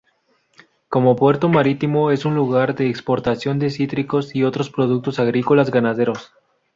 Como puerto marítimo es un lugar de exportación de cítricos y otros productos agrícolas-ganaderos.